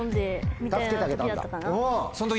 助けてあげたんだ。